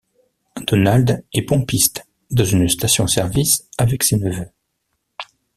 Donald est pompiste dans une station-service avec ses neveux.